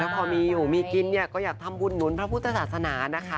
พอมีอยู่มีกินเนี่ยก็อยากทำบุญหนุนพระพุทธศาสนานะคะ